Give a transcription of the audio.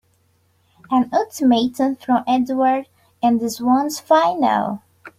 An ultimatum from Edward and this one's final!